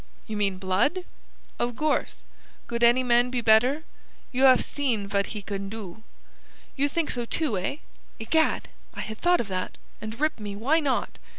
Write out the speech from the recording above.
"You mean Blood?" "Of gourse. Could any man be bedder? You haf seen vhad he can do." "You think so, too, eh? Egad! I had thought of it; and, rip me, why not?